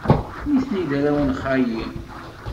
Nitni d arraw n xali.